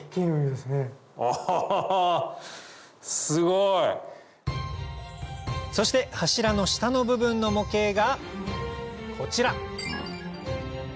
すごい！そして柱の下の部分の模型がこちら！